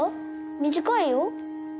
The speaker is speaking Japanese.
短いよ